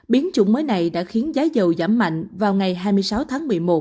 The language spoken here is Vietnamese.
biến chủng mới này đã khiến giá giàu giảm mạnh vào ngày hai mươi sáu tháng một mươi một